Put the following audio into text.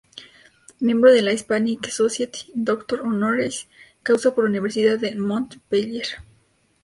Miembro de la Hispanic Society y doctor honoris causa por la Universidad de Montpellier.